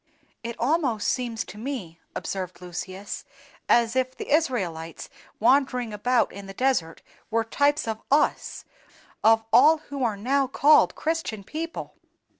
"It almost seems to me," observed Lucius, "as if the Israelites wandering about in the desert were types of us—of all who are now called Christian people."